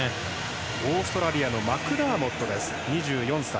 オーストラリアのマクダーモット、２４歳。